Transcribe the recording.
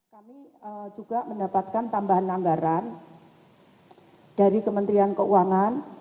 kami juga mendapatkan tambahan anggaran dari kementerian keuangan